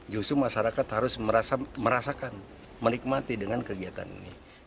justru masyarakat harus merasakan menikmati dengan kegiatan ini